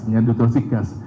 dengan diutasi gas